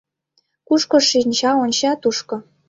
Кушко шинча онча — тушко.